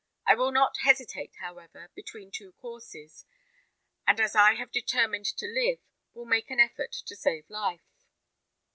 I will not hesitate, however, between two courses, and as I have determined to live, will make an effort to save life."